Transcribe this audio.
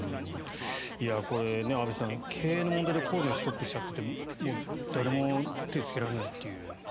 これ、安部さん経営の問題で工事がストップしちゃっていて誰も手をつけられないという。